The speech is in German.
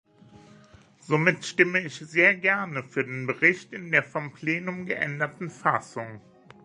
Somit stimme ich sehr gern für den Bericht in der vom Plenum geänderten Fassung.